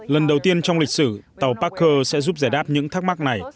lần đầu tiên trong lịch sử tàu parker sẽ giúp giải đáp những thắc mắc này